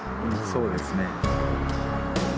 そうですね。